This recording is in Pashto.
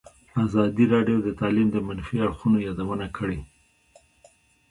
ازادي راډیو د تعلیم د منفي اړخونو یادونه کړې.